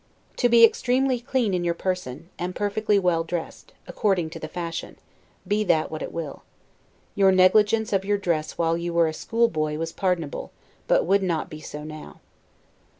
To be extremely clean in your person, and perfectly well dressed, according to the fashion, be that what it will: Your negligence of your dress while you were a schoolboy was pardonable, but would not be so now.